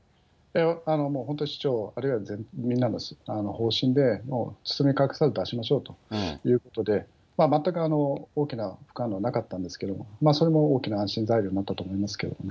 もう本当に市長、あるいはみんなの方針で、もう包み隠さず出しましょうということで、全く大きな副反応はなかったんですけど、それも大きな安心材料になったと思いますけどね。